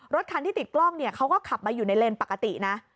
รถคันที่ติดกล้องเนี่ยเขาก็ขับมาอยู่ในเลนส์ปกตินะ